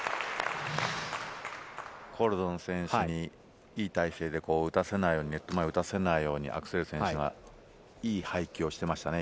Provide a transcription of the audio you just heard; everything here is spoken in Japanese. コルドン選手にいい体勢で打たせないように、打たせないように、アクセルセン選手はいい配球をしていました。